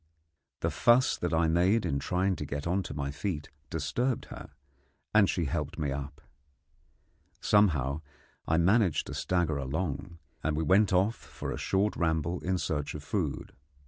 The fuss that I made in trying to get on to my feet disturbed her, and she helped me up. Somehow I managed to stagger along, and we went off for a short ramble in search of food.